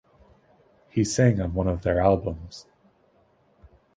He sang on one of their albums.